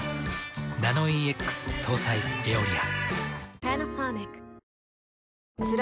ナノイーＸ搭載「エオリア」。